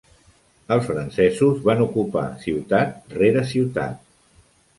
Els francesos van ocupar ciutat rere ciutat.